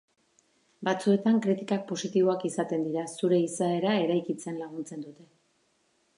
Batzuetan kritikak positiboak izaten dira, zure izaera eraikitzen laguntzen dute.